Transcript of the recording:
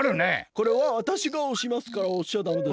これはわたしがおしますからおしちゃダメです。